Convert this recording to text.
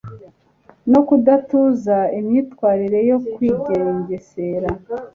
no kudatuza imyitwarire yo kwigengesera